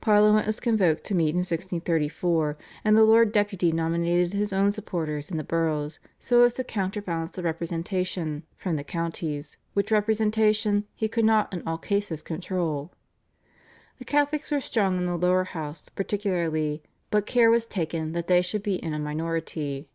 Parliament was convoked to meet in 1634, and the Lord Deputy nominated his own supporters in the boroughs, so as to counter balance the representation from the counties, which representation he could not in all cases control. The Catholics were strong in the Lower House particularly, but care was taken that they should be in a minority.